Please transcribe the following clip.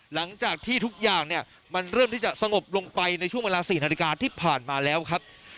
หลังจากที่ทุกอย่างเนี่ยมันเริ่มที่จะสงบลงไปในช่วงเวลา๔นาฬิกาที่ผ่านมาแล้วครับ